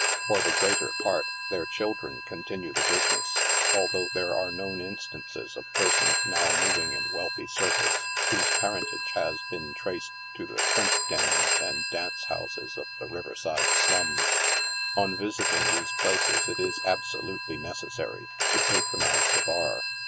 For the greater part, their children continue the business, although there are known instances of persons now moving in wealthy circles, whose parentage has been traced to the crimp dens and dance houses of the river side slums. On visiting these places it is absolutely necessary to patronize the bar.